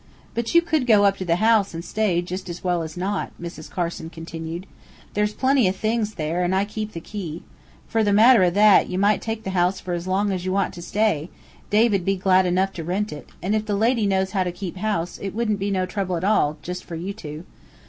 "But you could go up to the house and stay, jist as well as not," Mrs. Carson continued. "There's plenty o' things there, an' I keep the key. For the matter o' that, ye might take the house for as long as ye want to stay; Dave 'd be glad enough to rent it; and, if the lady knows how to keep house, it wouldn't be no trouble at all, jist for you two.